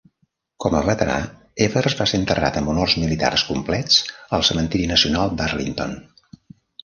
Com a veterà, Evers va ser enterrat amb honors militars complets al cementiri nacional d'Arlington.